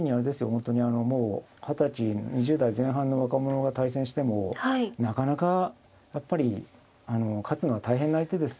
本当にあのもう二十歳２０代前半の若者が対戦してもなかなかやっぱり勝つのは大変な相手です。